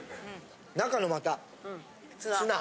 中のまたツナ。